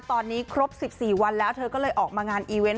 ตอนนี้ครบ๑๔วันแล้วเธอก็เลยออกมางานอีเวนต์